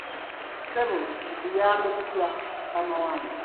Ssebo tukuyambe tutya mukama wange?